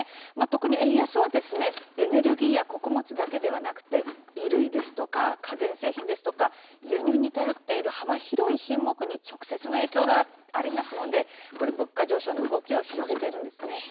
特に円安はエネルギーや穀物だけでなくて衣類ですとか家電製品ですとか輸入に頼っている幅広い品目に直接の影響がありますので物価上昇の動きを広げているんです。